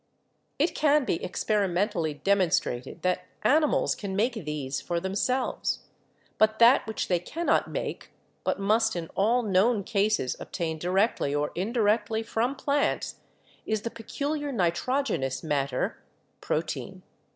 "It can be experimentally demonstrated that animals can make these for themselves. But that which they cannot make, but must in all known cases obtain directly or indi rectly from plants, is the peculiar nitrogenous matter, pro tein.